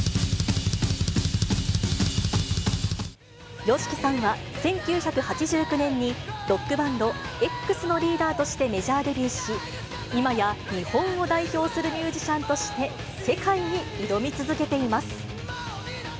ＹＯＳＨＩＫＩさんは１９８９年にロックバンド、Ｘのリーダーとしてメジャーデビューし、今や日本を代表するミュージシャンとして、世界に挑み続けています。